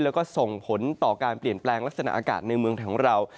แล้วก็ส่งผลต่อการเปลี่ยนแปลงลักษณะอากาศในเมืองของเรา